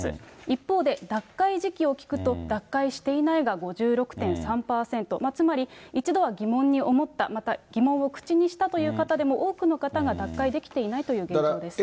一方で、脱会時期を聞くと、脱会していないが５６．３％、つまり、一度は疑問に思った、また疑問を口にしたという方でも、多くの方が脱会できていないという現状です。